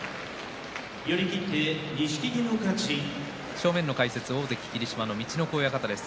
正面の解説は大関霧島の陸奥親方です。